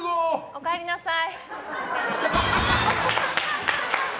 おかえりなさい！